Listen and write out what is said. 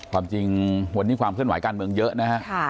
ความจริงว่านี้ความสื่นหวายการเมืองเยอะนะฮะ